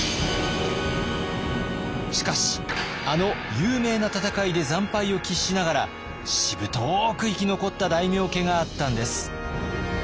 しかしあの有名な戦いで惨敗を喫しながらしぶとく生き残った大名家があったんです。